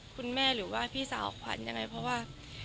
หรือว่าพี่สาวขวัญยังไงเพราะว่า